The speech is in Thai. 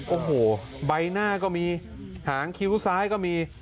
โอ้โหใบหน้าก็มีหางคิ้วซ้ายก็มี